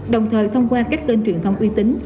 đồng thời thông qua các kênh truyền thông uy tín